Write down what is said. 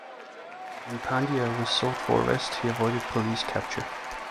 When Pandya was sought for arrest he avoided police capture.